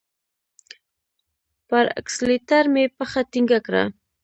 پر اکسلېټر مي پښه ټینګه کړه !